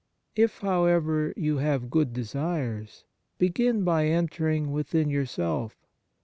If, however, you have good desires, begin by entering within yourself.